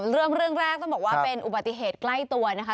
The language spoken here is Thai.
เรื่องแรกต้องบอกว่าเป็นอุบัติเหตุใกล้ตัวนะคะ